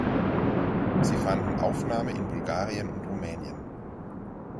Sie fanden Aufnahme in Bulgarien und Rumänien.